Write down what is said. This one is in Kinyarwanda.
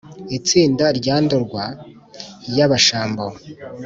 itsindwa rya ndorwa y'abashambo